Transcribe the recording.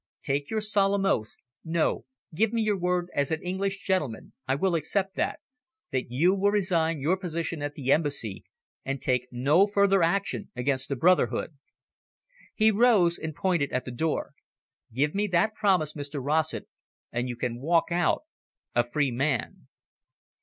"Take your solemn oath, no, give me your word as an English gentleman I will accept that that you will resign your position at the Embassy, and take no further action against the brotherhood." He rose, and pointed at the door. "Give me that promise, Mr Rossett, and you can walk out a free man."